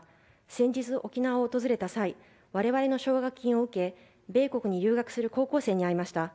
先日、沖縄を訪れた際我々の奨学金を受け米国に留学する高校生に会いました。